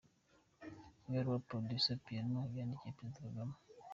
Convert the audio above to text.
Ibaruwa Producer Piano yandikiye Perezida Kagame.